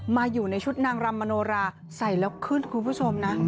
มาอยู่ในชุดนางรำมโนราใส่แล้วขึ้นคุณผู้ชมนะ